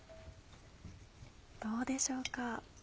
どうでしょうか。